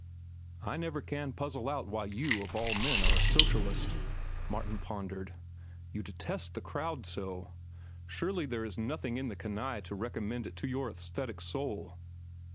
"I never can puzzle out why you, of all men, are a socialist," Martin pondered. "You detest the crowd so. Surely there is nothing in the canaille to recommend it to your aesthetic soul."